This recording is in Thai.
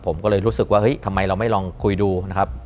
ผมก็เลยรู้สึกว่าเฮ้ยทำไมเราไม่ลองคุยดูนะครับ